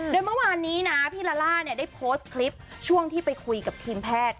โดยเมื่อวานนี้นะพี่ลาล่าได้โพสต์คลิปช่วงที่ไปคุยกับทีมแพทย์